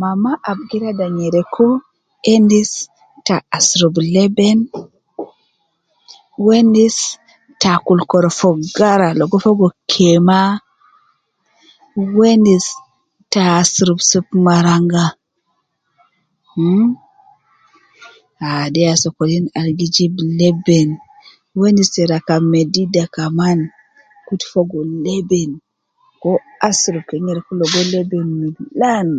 Mama ab gi rada nyereku endis ta asurubu leben, uwo endis ta akul korofo gara logo fogo kema, uwo endis ta asurub soup maranga mh,ah de ya sokolin al gi jib leben, uwo endis ta rakab medida kaman kutu fogo leben ke uwo asurub ke nyereku logo leben millan